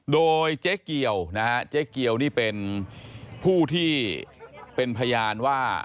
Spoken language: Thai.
โดยเจ๊เกียวนะฮะเจ๊เกียวนี่เป็นผู้ที่เป็นพยานว่า